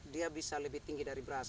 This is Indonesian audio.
dia bisa lebih tinggi dari beras